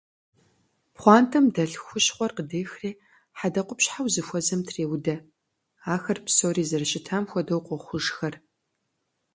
Пхъуантэм дэлъ хущхъуэр къыдехри хьэдэкъупщхьэу зыхуэзэм треудэ. Ахэр псори зэрыщытам хуэдэу къохъужхэр.